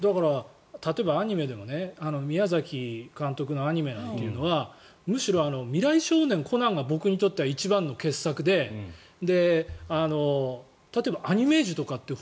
例えばアニメでも宮崎監督のアニメなんかはむしろ「未来少年コナン」みたいなのが僕にとっては一番の傑作で例えば「アニメージュ」という本